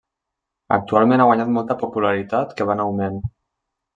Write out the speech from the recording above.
Actualment ha guanyat molta popularitat que va en augment.